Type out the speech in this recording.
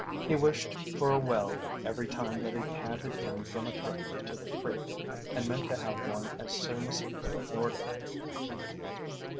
He wished for a well every time that he panted in from a trip to the creek, and meant to have one as soon as he could afford it.